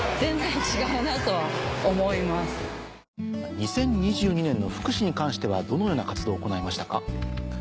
２０２２年の福祉に関してはどのような活動を行いましたか？